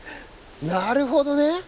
なるほどね。